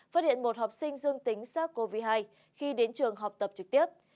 phát hiện một học sinh dương tính sars cov hai khi đến trường học tập trực tiếp